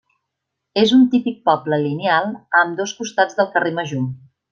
És un típic poble lineal a ambdós costats del carrer Major.